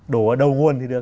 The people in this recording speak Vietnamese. đổ ở đầu nguồn thì được